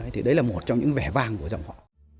thì đấy là một trong những vẻ vàng của dòng họ